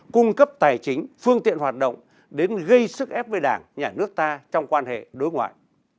cung cấp tài chính phương tiện hoạt động đến gây sức ép với đảng nhà nước ta trong quan hệ đối ngoại